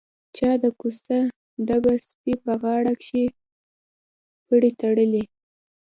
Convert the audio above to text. چا د کوڅه ډبه سپي په غاړه کښې پړى تړلى.